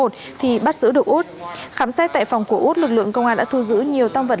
thì bắt giữ được út khám xét tại phòng của út lực lượng công an đã thu giữ nhiều tăng vật